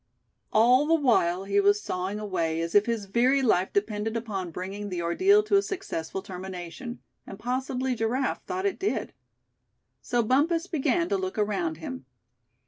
All the while he was sawing away as if his very life depended upon bringing the ordeal to a successful termination; and possibly Giraffe thought it did. So Bumpus began to look around him.